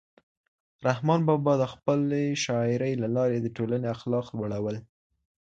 رحمان بابا د خپلې شاعرۍ له لارې د ټولنې اخلاق لوړول.